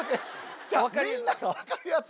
みんなが分かるやつ。